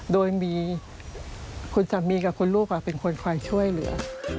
โดยมีคุณสามีกับคุณลูกเป็นคนคอยช่วยเหลือ